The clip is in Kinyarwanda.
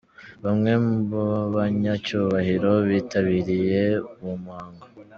Bamwe mu banyacyubahiro bitabiriye uwo muhango.